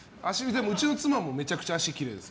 うちの妻もめちゃくちゃ足きれいです。